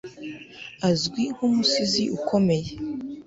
Azwi nkumusizi ukomeye